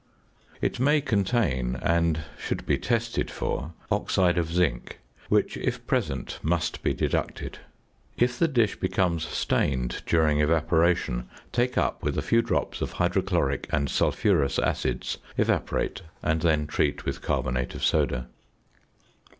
It may contain, and should be tested for oxide of zinc, which, if present, must be deducted. If the dish becomes stained during evaporation, take up with a few drops of hydrochloric and sulphurous acids, evaporate, and then treat with carbonate of soda.